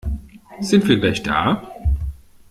Sind wir gleich da?